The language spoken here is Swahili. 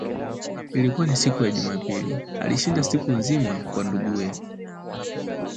Ilikua ni siku ya ya jumapili, alishinda siku nzima kwa ndugue